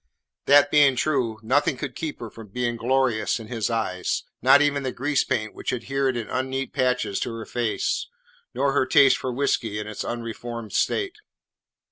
That being true, nothing could keep her from being glorious in his eyes, not even the grease paint which adhered in unneat patches to her face, nor her taste for whiskey in its unreformed state.